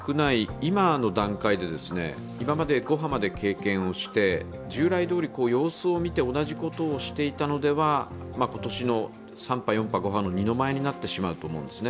今の段階で今まで５波まで経験をして、従来どおり様子を見て同じことをしていたのでは今年の３波、４波、５波の二の舞になってしまうと思うんです。